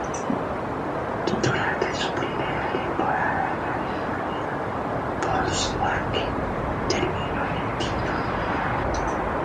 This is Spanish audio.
Durante su primera temporada en Alemania, Wolfsburg terminó en el quinto lugar.